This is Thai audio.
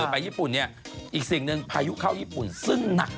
ไปญี่ปุ่นเนี่ยอีกสิ่งหนึ่งพายุเข้าญี่ปุ่นซึ่งหนัก